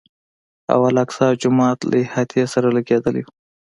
او الاقصی جومات له احاطې سره لګېدلی و.